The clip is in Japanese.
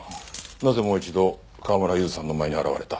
なぜもう一度川村ゆずさんの前に現れた？